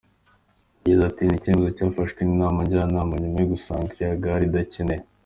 Yagize ati “Ni icyemezo cyafashwe n’Inama Njyanama, nyuma yo gusanga iriya gare idakenewe.